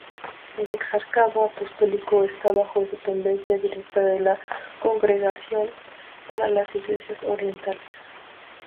El exarcado apostólico está bajo dependencia directa de la Congregación para las Iglesias Orientales.